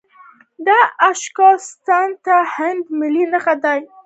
د اشوکا ستن د هند ملي نښه ده.